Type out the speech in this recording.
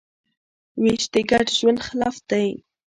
وېش د ګډ ژوند خلاف دی.